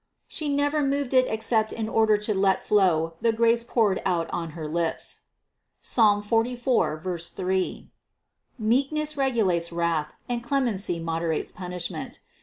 She never moved it except in order to let flow the grace poured out on her lips (Psalm 44, 3). Meekness regu lates wrath, and clemency moderates punishment.